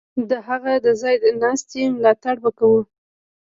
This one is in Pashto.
د هغه د ځای ناستي ملاتړ به کوو.